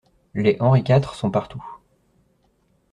Les Henri quatre sont partout.